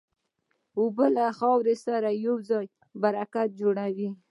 اوبه له خاورې سره یوځای برکت جوړوي.